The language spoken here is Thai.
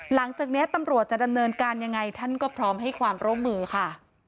หลังจากนี้ตำรวจจะดำเนินการยังไงท่านก็พร้อมให้ความร่วมมือค่ะ